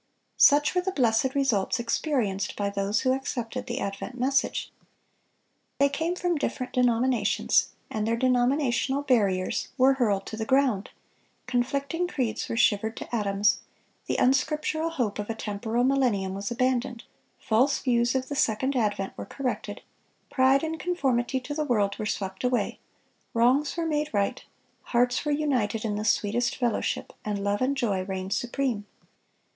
(622) Such were the blessed results experienced by those who accepted the advent message. They came from different denominations, and their denominational barriers were hurled to the ground; conflicting creeds were shivered to atoms; the unscriptural hope of a temporal millennium was abandoned, false views of the second advent were corrected, pride and conformity to the world were swept away; wrongs were made right; hearts were united in the sweetest fellowship, and love and joy reigned supreme.